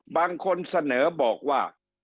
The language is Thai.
บางคนเสนอบอกว่า